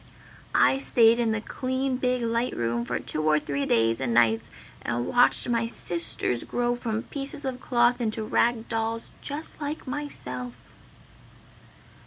"I stayed in the clean big light room for two or three days and nights and watched my Sisters grow from pieces of cloth into rag dolls just like myself!"